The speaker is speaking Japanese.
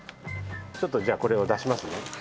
ちょっとじゃあこれを出しますね。